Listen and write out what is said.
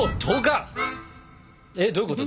えっどういうこと？